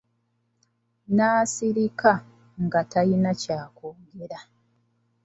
Nasirika nga talina kya kwogera.